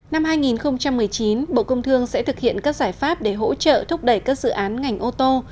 năm hai nghìn một mươi chín bộ công thương sẽ thực hiện các giải pháp để hỗ trợ thúc đẩy các dự án ngành ô tô